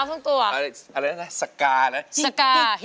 วันนี้สวยมาก